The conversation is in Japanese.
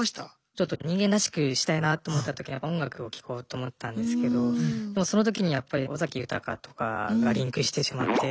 ちょっと人間らしくしたいなと思った時に音楽を聴こうと思ったんですけどその時にやっぱり尾崎豊とかがリンクしてしまって。